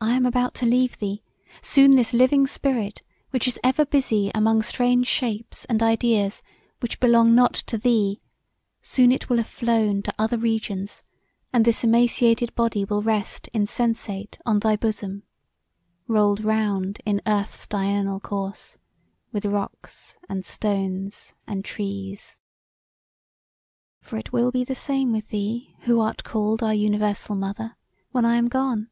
I am about to leave thee; soon this living spirit which is ever busy among strange shapes and ideas, which belong not to thee, soon it will have flown to other regions and this emaciated body will rest insensate on thy bosom "Rolled round in earth's diurnal course With rocks, and stones, and trees. "For it will be the same with thee, who art called our Universal Mother, when I am gone.